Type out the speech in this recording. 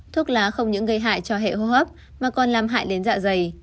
thuốc lá không những gây hại cho hệ hô hấp mà còn làm hại đến dạ dày